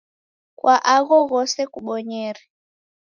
Kwa agho ghose kubonyere.